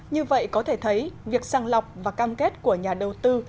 như vậy có thể thấy việc sang lọc và cam kết của nhà đầu tư